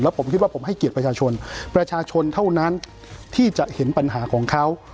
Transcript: ผมคิดว่าผมให้เกียรติประชาชนประชาชนเท่านั้นที่จะเห็นปัญหาของเขา